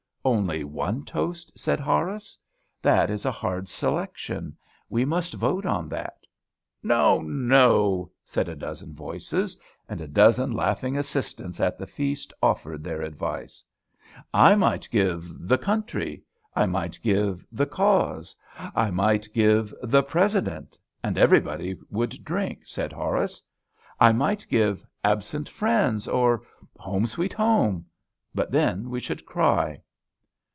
"Only one toast?" said Horace; "that is a hard selection: we must vote on that." "No, no!" said a dozen voices; and a dozen laughing assistants at the feast offered their advice. "I might give 'The Country;' I might give 'The Cause;' I might give 'The President:' and everybody would drink," said Horace. "I might give 'Absent friends,' or 'Home, sweet home;' but then we should cry."